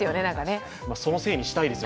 そのせいにしたいです。